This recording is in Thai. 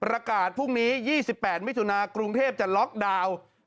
ประกาศพรุ่งนี้๒๘มิถุนากรุงเทพจะล็อกดาวน์